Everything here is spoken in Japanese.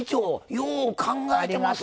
よう考えてますな！